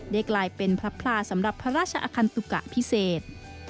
กลายเป็นพระพลาสำหรับพระราชอคันตุกะพิเศษ